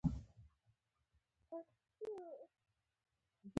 یاد قوم مخکې له دې چې اهلي کولو ته مخه کړي.